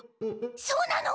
そうなの！？